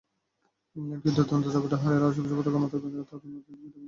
ইংল্যান্ডকে দুর্দান্ত দাপটে হারিয়ে লাল-সবুজ পতাকা মাথায় বেঁধে তরুণ অধিনায়ক মিডিয়া-মঞ্চে এলেন।